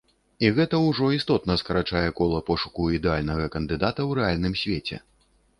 І гэта ўжо істотна скарачае кола пошуку ідэальнага кандыдата ў рэальным свеце.